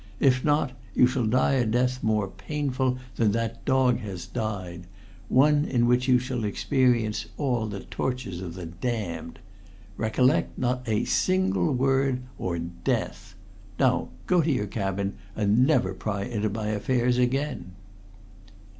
If not, you shall die a death more painful than that dog has died one in which you shall experience all the tortures of the damned. Recollect, not a single word or death! Now, go to your cabin, and never pry into my affairs again.'